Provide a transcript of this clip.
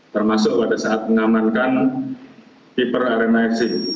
termasuk pada saat mengamankan piper arena esi